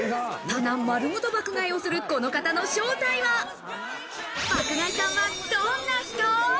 棚丸ごと爆買いをするこの方の正体は爆買いさんは、どんな人？